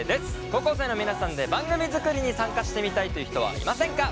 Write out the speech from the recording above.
高校生の皆さんで番組作りに参加してみたいという人はいませんか？